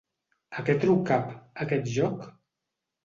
A què treu cap, aquest joc?